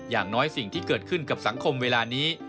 อย่างน้อยสิ่งที่เกิดขึ้นกับสังคมเวลานี้